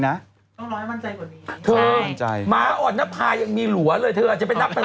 แต่พวกผู้หญิงสวยสวยเก่งอย่างงี้